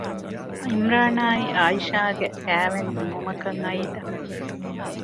ޢީމްރާނާއި ޢައިޝާގެ ކައިވެނި ނިމުމަކަށް އައީތަ؟